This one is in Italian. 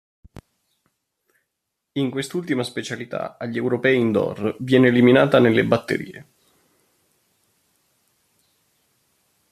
In quest'ultima specialità, agli europei indoor, viene eliminata nelle batterie.